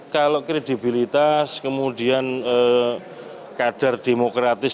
kalau kredibilitas kemudian kadar demokratis